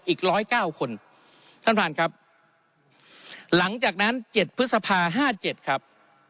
อีกร้อยเก้าคนท่านประธานครับหลังจากนั้นเจ็ดพฤษภาห้าเจ็ดครับ